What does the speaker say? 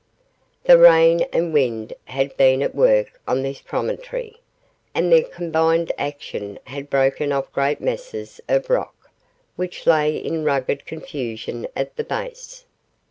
The rain and wind had been at work on this promontory, and their combined action had broken off great masses of rock, which lay in rugged confusion at the base.